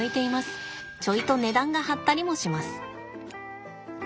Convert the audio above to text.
ちょいと値段が張ったりもします。